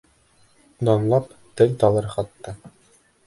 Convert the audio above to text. Данлап тел талыр хатта!